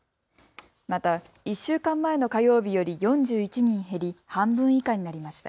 また、１週間前の火曜日より４１人減り半分以下になりました。